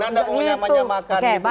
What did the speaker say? gak mau nyamakan